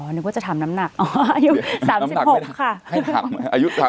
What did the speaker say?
นึกว่าจะถามน้ำหนักอายุ๓๖ค่ะ